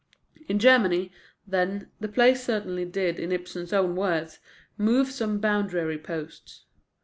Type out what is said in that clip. In Germany, then, the play certainly did, in Ibsen's own words, "move some boundary posts."